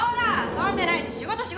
遊んでないで仕事仕事。